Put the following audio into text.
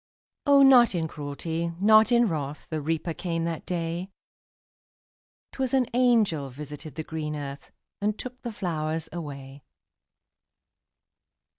O, not in cruelty, not in wrath, The Reaper came that day; 'Twas an angel visited the green earth, And took the flowers away.